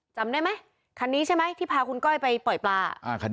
จำได้ไหมคันนี้ใช่ไหมที่พาคุณก้อยไปปล่อยปลา